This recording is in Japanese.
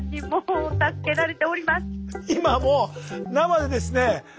今もう生でですね